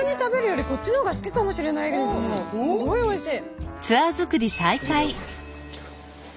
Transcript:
すごいおいしい。